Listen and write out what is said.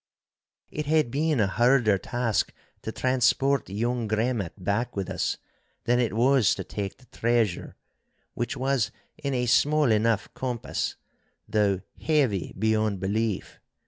It had been a harder task to transport young Gremmat back with us than it was to take the treasure—which was in a small enough compass, though heavy beyond belief.